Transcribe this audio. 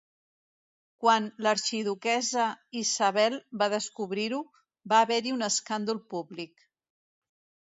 Quan l'arxiduquessa Isabel va descobrir-ho, va haver-hi un escàndol públic.